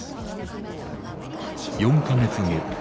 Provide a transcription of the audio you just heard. ４か月後。